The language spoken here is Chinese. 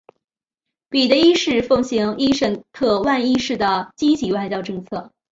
彼得一世奉行伊什特万一世的积极外交政策。